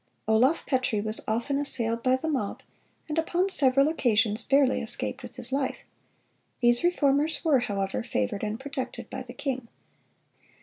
Olaf Petri was often assailed by the mob, and upon several occasions barely escaped with his life. These reformers were, however, favored and protected by the king.